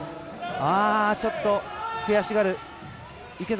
ちょっと悔しがる池崎。